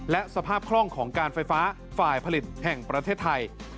และสภาพคล่องของการไฟฟ้าฝ่ายผลิตแห่งประเทศไทย